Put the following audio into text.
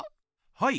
はい。